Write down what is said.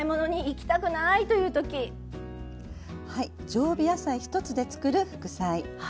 常備野菜１つでつくる副菜。